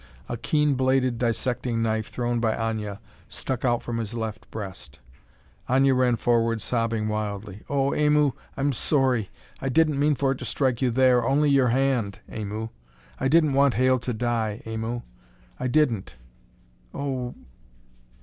A keen bladed dissecting knife, thrown by Aña, stuck out from his left breast. Aña ran forward, sobbing wildly. "Oh, Aimu! I'm sorry! I didn't mean for it to strike you there. Only your hand, Aimu! I didn't want Hale to die, Aimu. I didn't oh!"